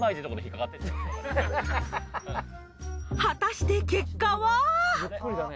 果たして結果は！？